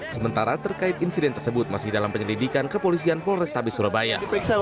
sementara terkait insiden tersebut masih dalam penyelidikan kepolisian polrestabes surabaya